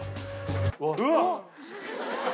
うわっ！